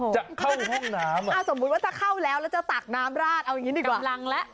จะเข้าห้องน้ำสมมุติว่าถ้าเข้าแล้วแล้วจะตักน้ำราดเอาอย่างนี้ดีกว่ารังแล้ว